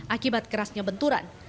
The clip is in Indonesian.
akibat kerasnya benturan